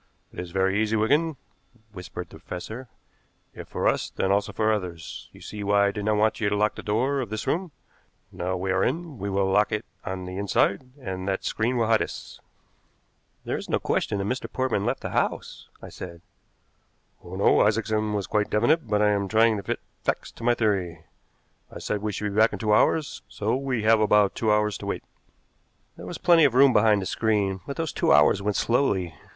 "It is very easy, Wigan," whispered the professor; "if for us, then also for others. You see why I did not want you to lock the door of this room? Now we are in, we will lock it on the inside, and that screen will hide us." "There is no question that Mr. Portman left the house," I said. "Oh, no. Isaacson was quite definite, but I am trying to fit facts to my theory. I said we should be back in two hours, so we have about two hours to wait." There was plenty of room behind the screen, but those two hours went slowly.